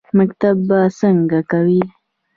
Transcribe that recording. _مکتب به څنګه کوې؟